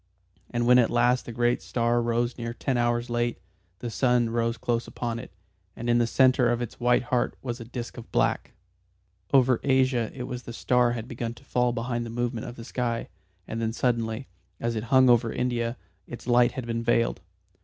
And when at last the great star rose near ten hours late, the sun rose close upon it, and in the centre of its white heart was a disc of black. Over Asia it was the star had begun to fall behind the movement of the sky, and then suddenly, as it hung over India, its light had been veiled.